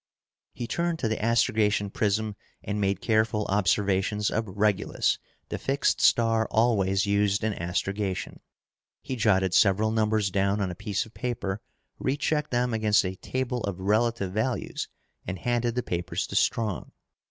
He turned to the astrogation prism and made careful observations of Regulus, the fixed star always used in astrogation. He jotted several numbers down on a piece of paper, rechecked them against a table of relative values and handed the papers to Strong.